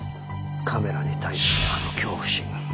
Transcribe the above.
カメラに対するあの恐怖心。